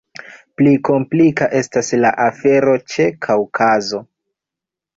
Pli komplika estas la afero ĉe Kaŭkazo.